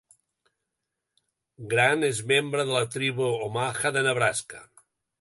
Grant és membre de la tribu Omaha de Nebraska.